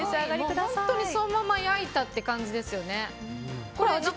本当にそのまま焼いたって感じですよね。